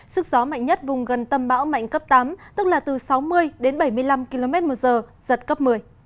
sức gió mạnh nhất vùng gần tâm bão mạnh cấp tám tức là từ sáu mươi đến bảy mươi năm km một giờ giật cấp một mươi